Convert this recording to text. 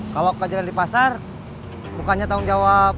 kalau kejadian di pasar bukannya tanggung jawab